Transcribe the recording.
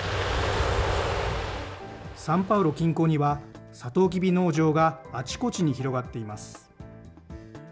サンパウロ近郊にはサトウキビ農場があちこちに広がっています。